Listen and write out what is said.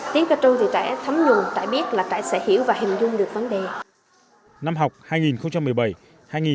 tiếng cơ tu thì trẻ thấm nhùng trẻ biết là trẻ sẽ hiểu và hình dung được vấn đề